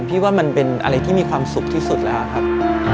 ว่ามันเป็นอะไรที่มีความสุขที่สุดแล้วครับ